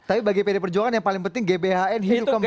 tapi bagi pd perjuangan yang paling penting gbhn hidup kembali